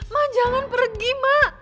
ma jangan pergi ma